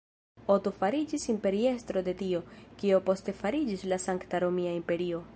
Oto fariĝis imperiestro de tio, kio poste fariĝis la Sankta Romia Imperio.